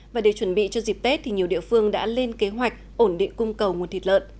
và để chuẩn bị cho dịp tết thì nhiều địa phương đã lên kế hoạch ổn định cung cầu nguồn thịt lợn